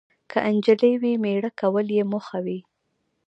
که انجلۍ وي، میړه کول یې موخه وي.